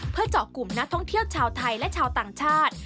เพื่อเจาะกลุ่มนักท่องเที่ยวชาวไทยและชาวต่างชาติ